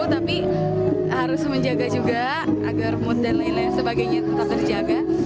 tapi harus menjaga juga agar mood dan lain lain sebagainya tetap terjaga